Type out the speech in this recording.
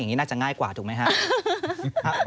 อย่างนี้น่าจะง่ายกว่าถูกไหมครับ